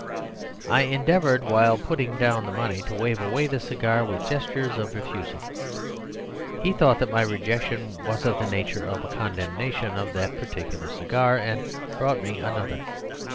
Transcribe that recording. I endeavoured while putting down the money to wave away the cigar with gestures of refusal. He thought that my rejection was of the nature of a condemnation of that particular cigar, and brought me another.